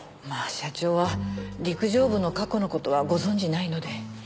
まあ社長は陸上部の過去の事はご存じないので。